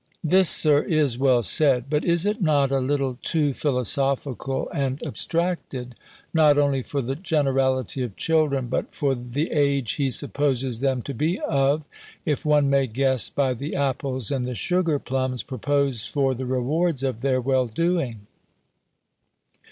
This, Sir, is well said; but is it not a little too philosophical and abstracted, not only for the generality of children, but for the age he supposes them to be of, if one may guess by the apples and the sugar plums proposed for the rewards of their well doing?